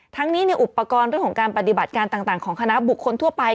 ทั้งนี้อุปกรณ์เรื่องของการปฏิบัติการต่างของคณะบุคคลทั่วไป